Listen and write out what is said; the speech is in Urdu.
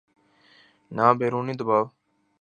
نہ بیرونی دباؤ۔